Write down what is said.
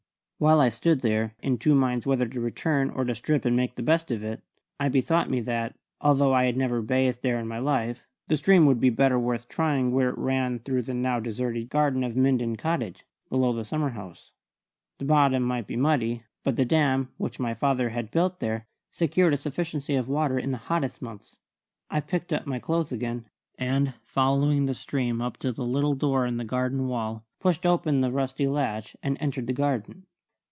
While I stood there, in two minds whether to return or to strip and make the best of it, I bethought me that although I had never bathed there in my life, the stream would be better worth trying where it ran through the now deserted garden of Minden Cottage, below the summer house. The bottom might be muddy, but the dam which my father had built there secured a sufficiency of water in the hottest months. I picked up my clothes again, and, following the stream up to the little door in the garden wall, pushed open the rusty latch, and entered the garden.